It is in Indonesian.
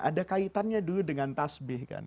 ada kaitannya dulu dengan tasbih kan